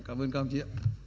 cảm ơn các đồng chí